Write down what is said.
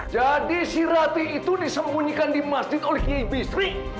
jadi si rati itu disembunyikan di masjid oleh kiai bisri